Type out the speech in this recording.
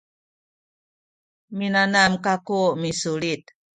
minanam kaku misulit